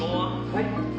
はい！